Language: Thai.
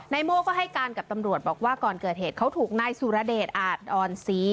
โม่ก็ให้การกับตำรวจบอกว่าก่อนเกิดเหตุเขาถูกนายสุรเดชอาจอ่อนศรี